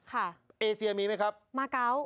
เอเซียมีไหมครับมาเกาะ